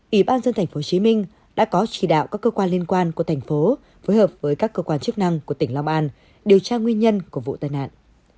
ủy ban dân tp hcm đã có chỉ đạo các cơ quan liên quan của thành phố phối hợp với các cơ quan chức năng của tỉnh long an điều tra nguyên nhân của vụ tai nạn